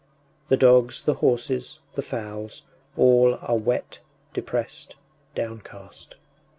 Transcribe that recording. The dogs, the horses, the fowls all are wet, depressed, downcast.